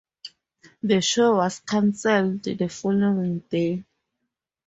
The show was canceled the following day.